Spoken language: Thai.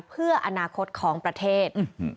เพื่ออนาคตของประเทศ